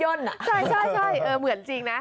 ใช่เหมือนจริงนะ